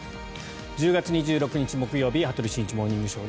１０月２６日、木曜日「羽鳥慎一モーニングショー」。